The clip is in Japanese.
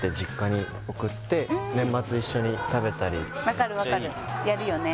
分かる分かるやるよね